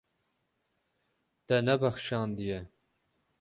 Te nebexşandiye.